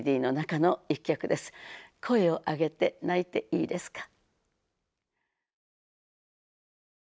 「声をあげて泣いていいですか」。